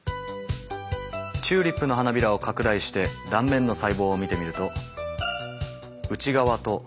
チューリップの花びらを拡大して断面の細胞を見てみると内側と外側の二重構造になっています。